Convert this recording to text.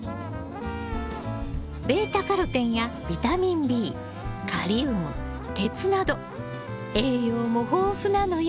β−カロテンやビタミンＢカリウム鉄など栄養も豊富なのよ。